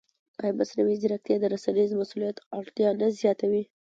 ایا مصنوعي ځیرکتیا د رسنیز مسوولیت اړتیا نه زیاتوي؟